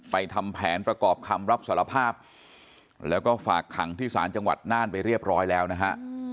ทำแผนประกอบคำรับสารภาพแล้วก็ฝากขังที่ศาลจังหวัดน่านไปเรียบร้อยแล้วนะฮะ